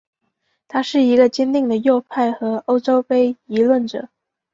他是一个坚定的右派和欧洲怀疑论者。